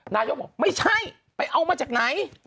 นายกบอกไม่ใช่ไปเอามาจากไหน